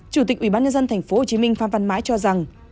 chủ tịch quỹ ban nhân dân thành phố hồ chí minh phan văn mãi cho rằng